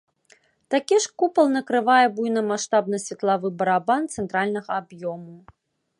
Такі ж купал накрывае буйнамаштабны светлавы барабан цэнтральнага аб'ёму.